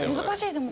難しい。